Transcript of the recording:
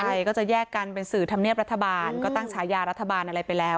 ใช่ก็จะแยกกันเป็นสื่อธรรมเนียบรัฐบาลก็ตั้งฉายารัฐบาลอะไรไปแล้ว